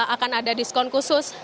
akan ada diskon khusus